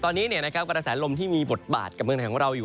ตอนนี้กระแสลมที่มีบทบาทกับเมืองไทยของเราอยู่